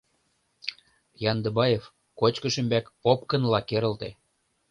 Яндыбаев кочкыш ӱмбак опкынла керылте.